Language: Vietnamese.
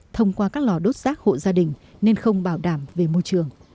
thông qua các lò đốt rác hộ gia đình nên không bảo đảm về môi trường